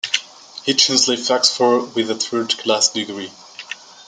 Hitchens left Oxford with a third-class degree.